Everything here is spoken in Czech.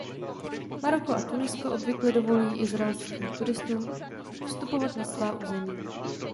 Maroko a Tunisko obvykle dovolují izraelským turistům vstupovat na svá území.